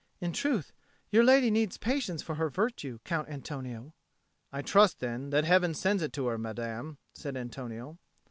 In truth, your lady needs patience for her virtue, Count Antonio!" "I trust, then, that Heaven sends it to her, madame," said Antonio.